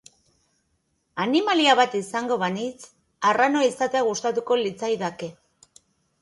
Animalia bat izango banintz, arranoa izatea gustatuko litzaidake.